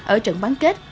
ở trận bán kết